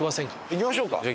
行きましょうか。